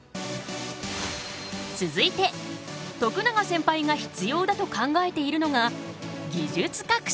続いて徳永センパイが必要だと考えているのが「技術革新」。